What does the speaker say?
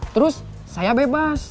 terus saya bebas